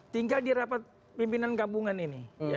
tinggal dirapat pimpinan gabungan ini